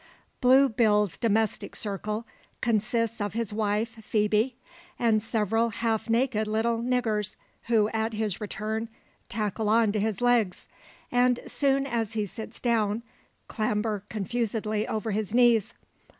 Blue Bill's domestic circle consists of his wife, Phoebe, and several half naked little "niggers," who, at his return, tackle on to his legs, and, soon as he sits down, clamber confusedly over his knees.